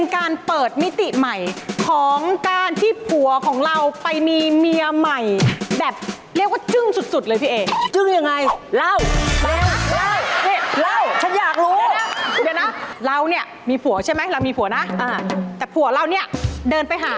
ของการที่ผัวของเราไปมีเมียใหม่แบบเรียกว่าจึ้งสุดเลยพี่เอ๋